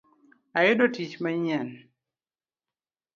Ayudo tiich manyien